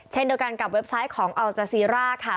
เช่นเดียวกันกับเว็บไซต์ของอัลจาซีร่าค่ะ